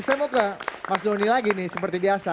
saya mau ke mas doni lagi nih seperti biasa